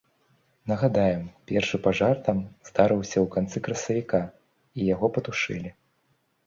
Нагадаем, першы пажар там здарыўся ў канцы красавіка і яго патушылі.